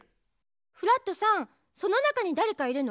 フラットさんその中にだれかいるの？